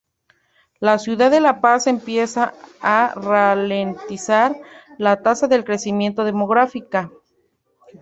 La ciudad de La Paz empieza a ralentizar la tasa de crecimiento demográfica.